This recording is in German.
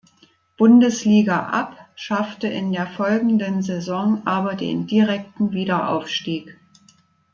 Bundesliga ab, schaffte in der folgenden Saison aber den direkten Wiederaufstieg.